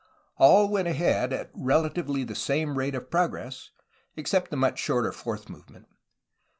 All went ahead at relatively the same rate of progress, except the much shorter fourth movement.